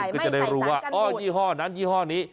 ก็จะได้รู้ว่าอ๋อยี่ห้อนั้นยี่ห้อนี้